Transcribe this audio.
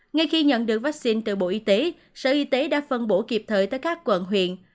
ngay khi nhận được vaccine từ bộ y tế sở y tế đã phân bổ kịp thời tới các quận huyện